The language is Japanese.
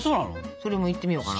それもいってみようかなと。